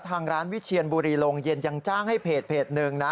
ทางร้านวิเชียนบุรีโรงเย็นยังจ้างให้เพจหนึ่งนะ